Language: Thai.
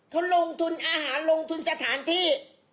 เขาลงทุนอาหารลงทุนสถานที่